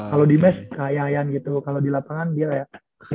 kalo di mes kayak kayak gitu kalo di lapangan dia kayak